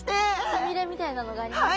つみれみたいなのがありますけど。